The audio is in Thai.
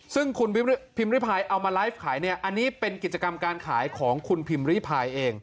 ซึ่งคุณพิมพิพายเอามาไลฟ์ขายเนี่ยอันนี้เป็นกิจกรรมการขายของคุณพิมพ์ริพายเอง